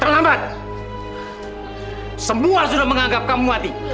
terlambat semua sudah menganggap kamu mati